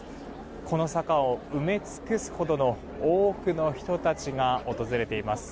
この坂を埋め尽くすほどの多くの人たちが訪れています。